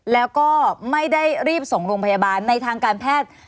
แล้วก็ไม่ได้รีบส่งโรงพยาบาลในทางการแพทย์